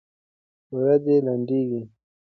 ورځي لنډيږي